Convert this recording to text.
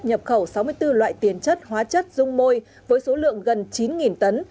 nhập khẩu sáu mươi bốn loại tiền chất hóa chất dung môi với số lượng gần chín tấn